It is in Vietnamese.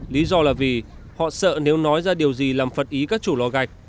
lý do là vì họ sợ nếu nói ra điều gì làm phật ý các chủ lò gạch